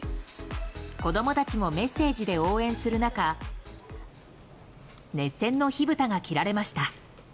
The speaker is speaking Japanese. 子供たちもメッセージで応援する中熱戦の火ぶたが切られました。